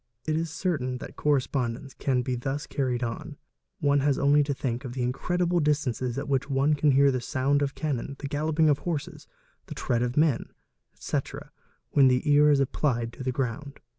It is certain that correspondence can be thus carried on; one has only to think of the incredible distances at which one can hear the sound of cannon, the galloping of horses, the tread of men, etc., when the ear is applied to the ground.